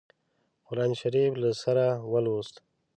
قرآن شریف له سره ولووست.